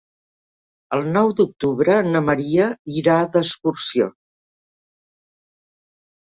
El nou d'octubre na Maria irà d'excursió.